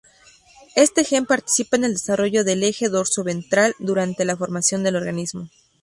Este gen participa en el desarrollo del eje dorso-ventral durante la formación del organismo.